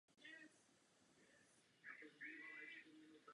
Mezi Československem a Polskem v té době existovala celá řada pohraničních sporů.